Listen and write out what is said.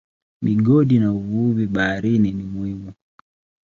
Migodi na uvuvi baharini ni muhimu.